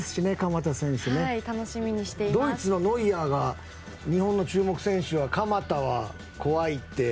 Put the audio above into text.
ドイツのノイアー選手が日本の注目選手はと聞かれて鎌田は怖いって。